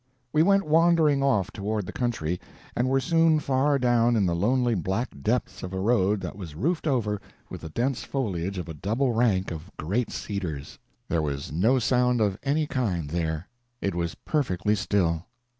We went wandering off toward the country, and were soon far down in the lonely black depths of a road that was roofed over with the dense foliage of a double rank of great cedars. There was no sound of any kind there; it was perfectly still.